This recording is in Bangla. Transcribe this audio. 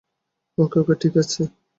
ওকে, ওকে, ঠিক আছে!